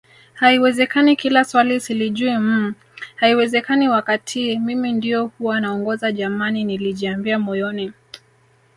Haiwezekani kila swali silijui mmh haiwezekani wakatii Mimi ndio huwa naongoza jamani nilijiambia moyoni